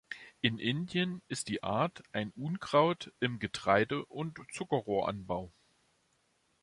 In Indien ist die Art ein Unkraut im Getreide- und Zuckerrohranbau.